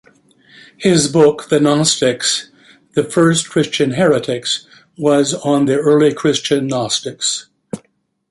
His book "The Gnostics: The First Christian Heretics", was on the early Christian Gnostics.